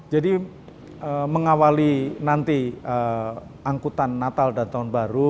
jadi mengawali nanti angkutan natal dan tahun baru